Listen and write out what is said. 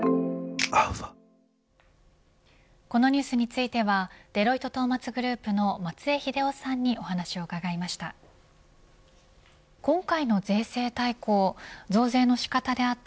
このニュースについてはデロイトトーマツグループの松江英夫さんにお話を伺いました。